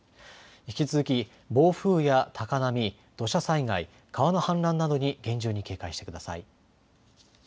引き続き暴風や高波、土砂災害、川の氾濫などに厳重に警戒してください。